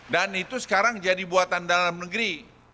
dan itu sekarang jadi buatan dalam negeri